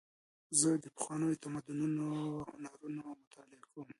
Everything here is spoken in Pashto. زه د پخوانیو تمدنونو هنرونه مطالعه کوم.